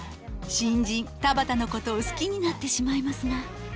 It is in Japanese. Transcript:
新人田畑のことを好きになってしまいますが。